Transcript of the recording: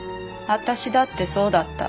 私だってそうだった。